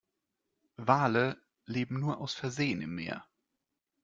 Wale leben nur aus Versehen im Meer.